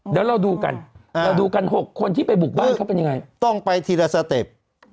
เดี๋ยวเราดูกันเราดูกัน๖คนที่ไปบุกบ้านเขาเป็นยังไงต้องไปทีละสเต็ป